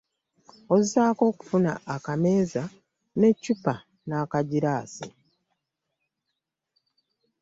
Ozzaako okufuna akameeza n’eccupa n’akagiraasi.